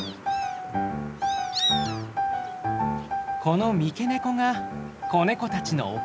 この三毛猫が子ネコたちのお母さん。